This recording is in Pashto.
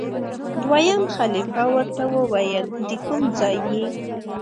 دویم خلیفه ورته وویل دکوم ځای یې؟